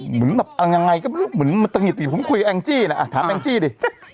เหมือนแบบอย่างไรก็มันตังค์อย่างงี้ผมคุยกับแองจี้น่ะถามแองจี้ดิ